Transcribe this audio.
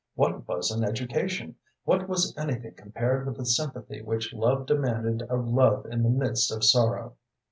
What was an education? What was anything compared with the sympathy which love demanded of love in the midst of sorrow?